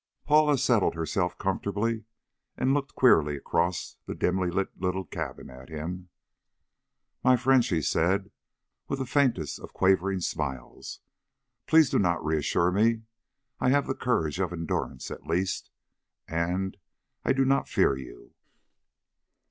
Paula settled herself comfortably, and looked queerly across the dimly lit little cabin at him. "My friend," she said with the faintest of quavering smiles, "Please do not reassure me. I have the courage of endurance, at least. And I do not fear you."